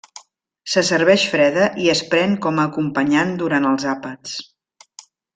Se serveix freda i es pren com a acompanyant durant els àpats.